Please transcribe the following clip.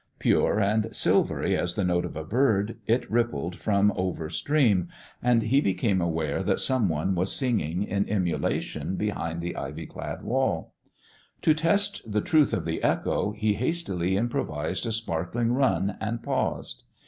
. Pure and silvery as the note of a bird, it rippled from over stream, and he became aware that some one was singing in emulation behind the ivy clad wall. To test the truth of the echo he hastily improvised a sparkling run, and paused.